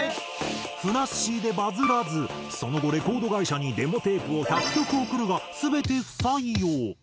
ふなっしーでバズらずその後レコード会社にデモテープを１００曲送るが全て不採用。